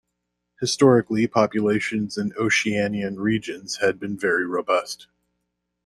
Historically, populations in Oceanian regions had been very robust.